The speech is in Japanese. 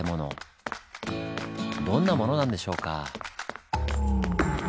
どんなものなんでしょうか。